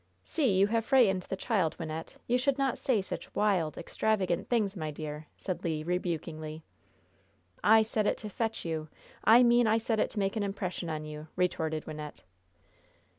"See, you have frightened the child, Wynnette! You should not say such wild, extravagant things, my dear!" said Le, rebukingly. "I said it to fetch you! I mean I said it to make an impression on you!" retorted Wynnette.